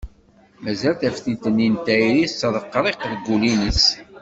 Mazal taftilt-nni n tayri tettreqriq deg wul-ines.